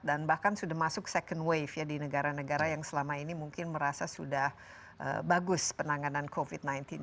dan bahkan sudah masuk second wave ya di negara negara yang selama ini mungkin merasa sudah bagus penanganan covid sembilan belas